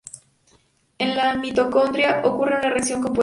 En la mitocondria ocurre una reacción compuesta.